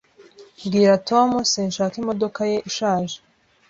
Bwira Tom sinshaka imodoka ye ishaje.